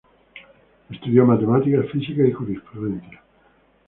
Estudió matemáticas, física, y jurisprudencia.